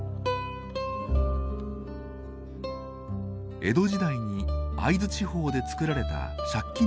江戸時代に会津地方で作られた借金の証文です。